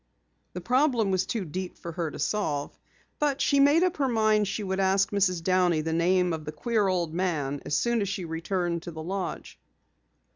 The problem was too deep for her to solve. But she made up her mind she would ask Mrs. Downey the name of the queer old man as soon as she returned to the lodge.